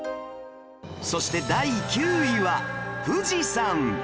そして第９位は富士山